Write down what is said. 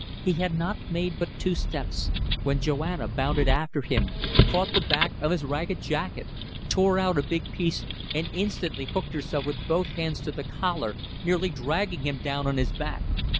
... He had not made two steps when Joanna bounded after him, caught the back of his ragged jacket, tore out a big piece, and instantly hooked herself with both hands to the collar, nearly dragging him down on his back.